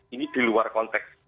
ini di luar konteks